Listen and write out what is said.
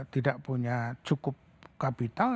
tidak punya cukup kapital